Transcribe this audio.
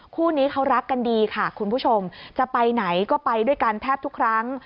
คู่นี้เขารักกันดีค่ะคุณผู้ชมจะไปไหนก็ไปด้วยกันแทบทุกครั้ง